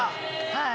はい。